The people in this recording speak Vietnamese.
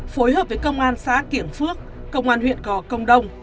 phối hợp với công an xã kiểng phước công an huyện gò công đông